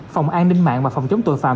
phòng an ninh mạng và phòng chống tội phạm